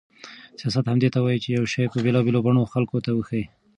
سیاست همدې ته وایي چې یو شی په بېلابېلو بڼو خلکو ته وښيي.